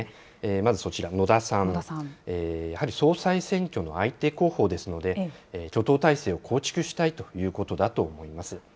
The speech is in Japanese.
まずそちら、野田さん、やはり総裁選挙の相手候補ですので、挙党態勢を構築したいということだと思います。